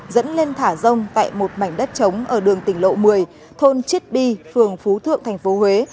dẫn lên thả rông tại một mảnh đất trống ở đường tỉnh lộ một mươi thôn chit bi phường phú thượng tp huế